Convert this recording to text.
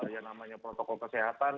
yang namanya protokol kesehatan